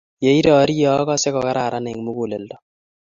ya I rarie akase ko kararan eng muguleldo